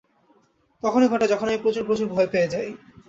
তখনই ঘটে যখন আমি প্রচুর, প্রচুর ভয় পেয়ে যাই।